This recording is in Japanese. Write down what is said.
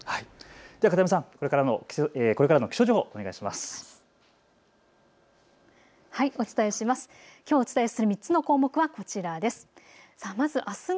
片山さん、これからの気象情報、お願いします。